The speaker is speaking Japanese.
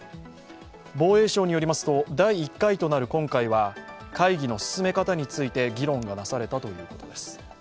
防衛省によりますと第１回となる今回は、会議の進め方について議論がなされたということです。